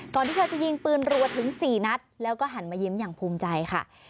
ที่เธอจะยิงปืนรัวถึง๔นัดแล้วก็หันมายิ้มอย่างภูมิใจค่ะ